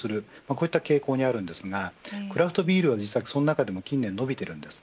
こういった傾向にあるんですがクラフトビールは実はこの中でも近年伸びています。